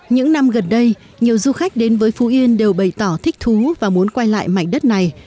những năm gần đây nhiều du khách đến với phú yên đều bày tỏ thích thú và muốn quay lại mảnh đất này